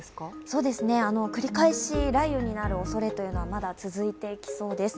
そうですね、繰り返し雷雨になるおそれというのは、まだ続いていきそうです。